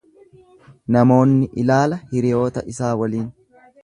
Namoonni ilaala hiriyoota isaa waliin.